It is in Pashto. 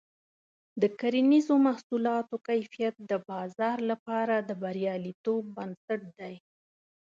د کرنیزو محصولاتو کیفیت د بازار لپاره د بریالیتوب بنسټ دی.